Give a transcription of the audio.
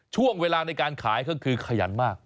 ช่วงเวลาในการขายก็คือขยันมาก